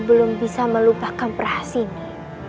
belum bisa melupakan perahas ini